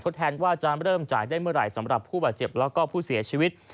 แทนว่าจะเริ่มจ่ายได้เมื่อไหร่สำหรับผู้บาดเจ็บแล้วก็ผู้เสียชีวิต